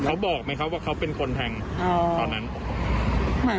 เขาบอกไหมครับว่าเขาเป็นคนแทงตอนนั้น